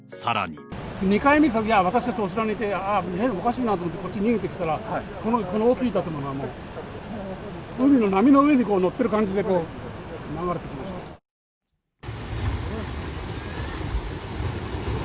２回目来たときは、私たち後ろにいて、ああ、おかしいなと思ってこっち逃げてきたら、この大きい建物がもう海の波の上に乗ってる感じで流れてきましたよ。